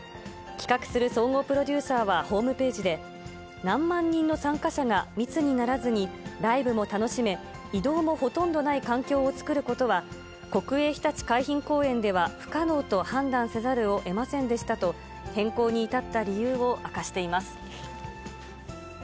企画する総合プロデューサーはホームページで、何万人の参加者が密にならずにライブも楽しめ、移動もほとんどない環境を作ることは、国営ひたち海浜公園では不可能と判断せざるをえませんでしたと、変更に至った理由を明かしています。